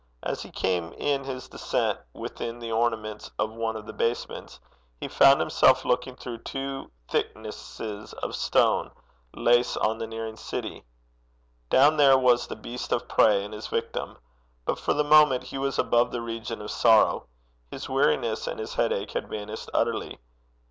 As he came in his descent within the ornaments of one of the basements, he found himself looking through two thicknesses of stone lace on the nearing city. Down there was the beast of prey and his victim; but for the moment he was above the region of sorrow. His weariness and his headache had vanished utterly.